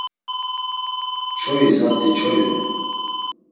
Çoyi zat̆i çoyi on.